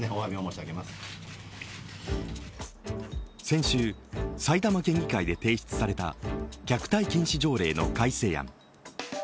先週、埼玉県議会で提出された虐待禁止条例の改正案。